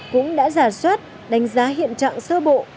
cũng đã giả soát đánh giá hiện trạng sơ bộ